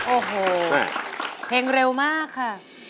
โอ้โหเพลงเร็วมากค่ะ